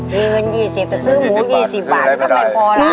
มีเงิน๒๐แต่ซื้อหมู๒๐บาทก็ไม่พอล่ะ